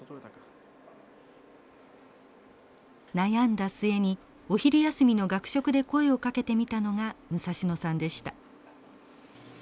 悩んだ末にお昼休みの学食で声をかけてみたのが武蔵野さんでした。